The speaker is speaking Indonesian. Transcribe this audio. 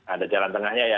ada jalan tengahnya ya